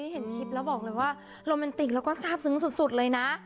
เห็นคลิปแล้วบอกเลยว่าโรแมนติกแล้วก็ทราบซึ้งสุดเลยนะ